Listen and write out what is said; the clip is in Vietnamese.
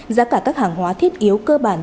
giá cả các hàng hóa thiết yếu cơ bản